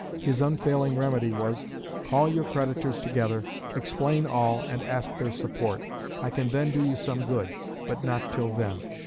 His unfailing remedy was: "Call your creditors together, explain all and ask their support. I can then do you some good, but not till then."